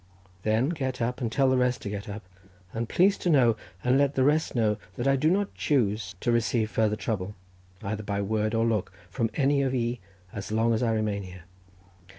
"Then get up, and tell the rest to get up, and please to know, and let the rest know, that I do not choose to receive farther trouble, either by word or look, from any of ye, as long as I remain here."